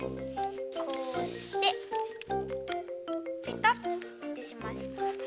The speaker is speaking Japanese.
こうしてペタッてします。